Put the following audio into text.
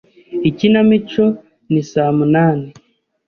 Ikinamico ni saa munani.